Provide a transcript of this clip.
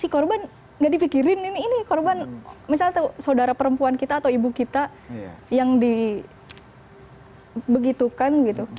gak dipikirin ini ini ini korban misalnya tuh saudara perempuan kita atau ibu kita yang dibegitukan gitu